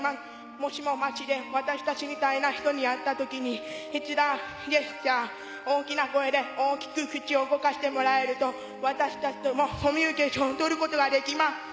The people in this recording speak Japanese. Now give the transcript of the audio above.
もしも街で私達みたいな人に会ったときに、大きな声で、大きく口を動かしてもらえると、私達もコミュニケーションをとることができます。